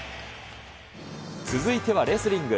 続いてはレスリング。